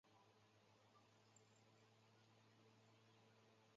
兰德格是奥地利下奥地利州沙伊布斯县的一个市镇。